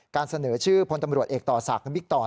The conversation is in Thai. เสนอชื่อพลตำรวจเอกต่อศักดิ์บิ๊กต่อ